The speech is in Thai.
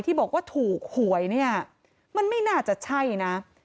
ที่บอกว่าถูกหวยเนี่ยมันไม่น่าจะใช่นะ